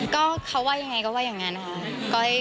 ก็เขาว่ายังไงก็ว่ายังไงนะคะ